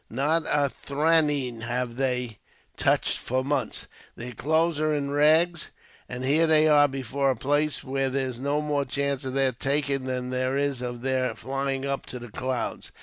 Not a thraneen have they touched for months. Their clothes are in rags, and here they are before a place which there's no more chance of their taking than there is of their flying up to the clouds.